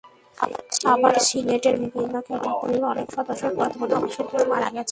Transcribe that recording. আবার সিনেটের বিভিন্ন ক্যাটাগরির অনেক সদস্যই বর্তমানে অবসরে কিংবা মারা গেছেন।